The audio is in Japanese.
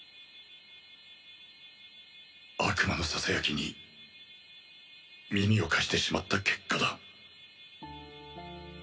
悪魔のささやきに耳を貸してしまった結果だ。